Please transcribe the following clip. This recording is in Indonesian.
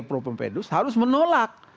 pro pempedus harus menolak